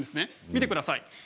見てください。